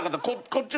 こっち